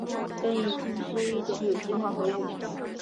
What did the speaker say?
苯乙腈是一种有机化合物。